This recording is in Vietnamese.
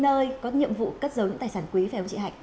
nơi có nhiệm vụ cất giấu những tài sản quý phải chị hạnh